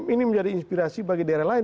ini menjadi inspirasi bagi daerah lain